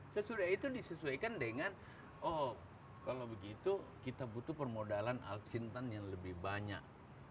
sesudah itu disesuaikan dengan oh kalau begitu kita butuh permodalan al sintan yang lebih banyak